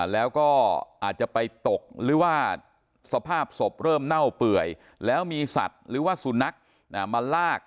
แล้วก็อาจจะไปตกหรือว่าสภาพศพเริ่มเน่าเปื่อยแล้วมีสัตว์หรือว่าสุนัขมาลาก